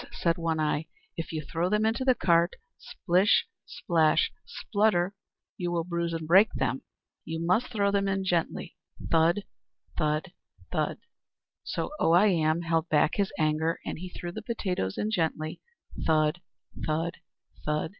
said One Eye, "if you throw them into the cart, splish splash splutter, you will bruise and break them. You must throw them in gently, thud, thud, thud." So Oh I Am held back his anger, and he threw the potatoes in gently, thud, thud, thud.